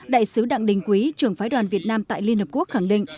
đại sứ đặng đình quý trưởng phái đoàn việt nam tại liên hợp quốc khẳng định